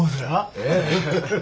ええ。